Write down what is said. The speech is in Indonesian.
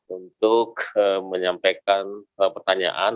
untuk menyampaikan pertanyaan